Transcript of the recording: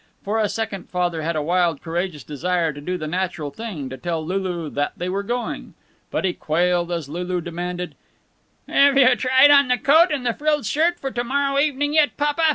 For a second Father had a wild, courageous desire to do the natural thing, to tell Lulu that they were going. But he quailed as Lulu demanded: "Have you tried on the coat and frilled shirt for to morrow evening yet, papa?